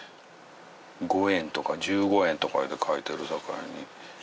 ５円とか１５円とか書いてるさかいに。